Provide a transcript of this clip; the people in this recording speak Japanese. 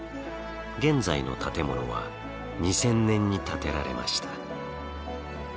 現在の建物は２０００年に建てられました。